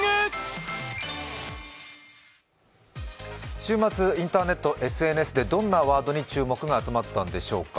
週末、インターネット、ＳＮＳでどんなワードに注目が集まったんでしょうか。